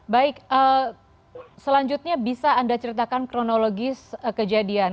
baik selanjutnya bisa anda ceritakan kronologis kejadian